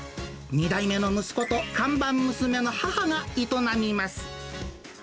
２代目の息子と看板娘の母が営みます。